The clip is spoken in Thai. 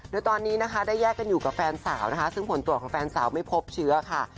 โดยตอนนี้นะคะได้แยกกันอยู่กับแฟนสาวนะคะซึ่งผลตรวจของแฟนสาวไม่พบเชื้อค่ะ